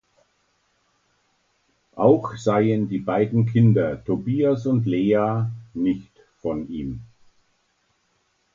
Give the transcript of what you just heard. Auch seien die beiden Kinder Tobias und Lea nicht von ihm.